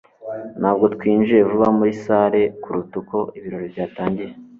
ntabwo twinjiye vuba muri salle kuruta uko ibirori byatangiye